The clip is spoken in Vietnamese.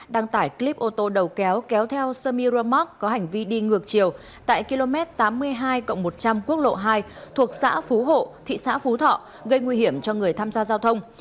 đăng tải clip ô tô đầu kéo kéo theo samira mark có hành vi đi ngược chiều tại km tám mươi hai một trăm linh quốc lộ hai thuộc xã phú hộ thị xã phú thọ gây nguy hiểm cho người tham gia giao thông